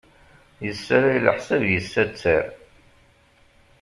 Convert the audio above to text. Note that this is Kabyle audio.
Yessalay leḥsab yessattar.